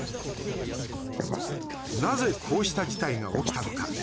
なぜ、こうした事態が起きたのか。